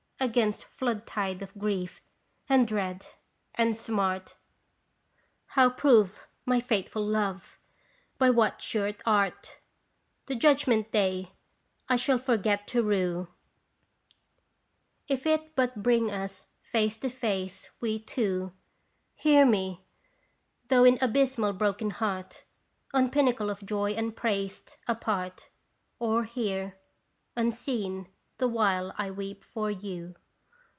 Against flood tide of grief and dread and smart How prove my faithful love ? by what sure art ! The Judgment Day I shall forget to rue Qt radons t)isitation. 207 If it but bring us face to face, we two ! Hear me ! though in abysmal broken heart : On pinnacle of joy upraised, apart: Or here, unseen, the while I weep for you.